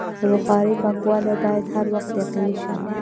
د بخارۍ پاکوالی باید هر وخت یقیني شي.